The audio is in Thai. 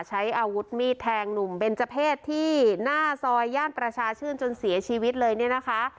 ใช้อาวุธมีดแทงหนุ่มเบนเจอร์เพศที่หน้าซอยย่านประชาชื่นจนเสียชีวิตเลยเนี่ยนะคะ